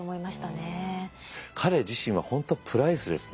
彼自身は本当プライスレスで。